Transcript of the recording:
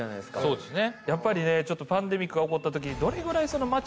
そうですね。